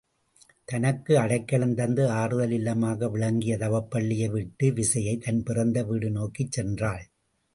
தனக்கு அடைக்கலம் தந்து ஆறுதல் இல்லமாக விளங்கிய தவப்பள்ளியை விட்டு விசயை தன் பிறந்த வீடு நோக்கிச் சென்றாள்.